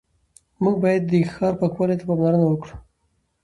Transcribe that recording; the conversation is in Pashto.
موږ باید د ښار پاکوالي ته پاملرنه وکړو